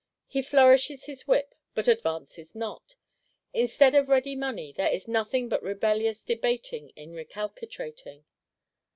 He flourishes his whip, but advances not. Instead of ready money, there is nothing but rebellious debating and recalcitrating.